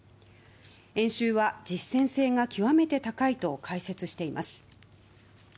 演習は実戦性が極めて高いと解説しています。